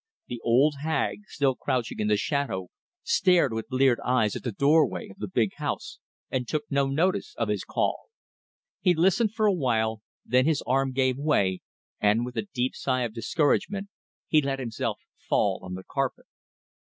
The old hag, still crouching in the shadow, stared with bleared eyes at the doorway of the big house, and took no notice of his call. He listened for a while, then his arm gave way, and, with a deep sigh of discouragement, he let himself fall on the carpet.